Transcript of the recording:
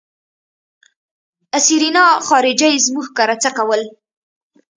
آ سېرېنا خارجۍ زموږ کره څه کول.